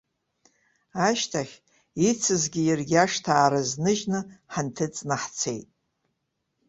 Ашьҭахь, ицызгьы иаргьы ашҭа аарызныжьны, ҳанҭыҵны ҳцеит.